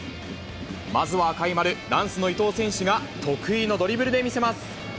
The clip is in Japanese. まずは赤い丸、ランスの伊東選手が得意のドリブルで見せます。